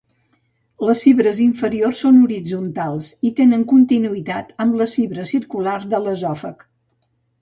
Les fibres inferiors són horitzontals i tenen continuïtat amb les fibres circulars de l'esòfag.